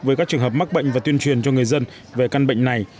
với các trường hợp mắc bệnh và tuyên truyền cho người dân về căn bệnh này